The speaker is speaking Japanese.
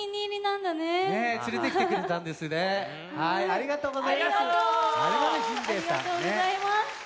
ありがとうございます。